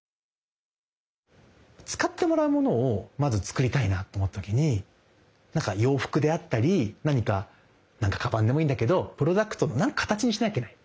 使ってもらうものをまず作りたいなと思った時になんか洋服であったり何かカバンでもいいんだけどプロダクトの何か形にしなきゃいけない。